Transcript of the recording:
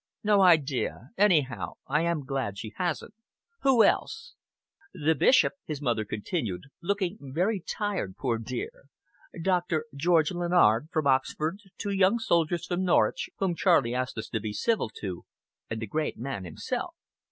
"No idea! Anyhow, I am glad she hasn't. Who else?" "The Bishop," his mother continued, "looking very tired, poor dear! Doctor George Lennard, from Oxford, two young soldiers from Norwich, whom Charlie asked us to be civil to and the great man himself."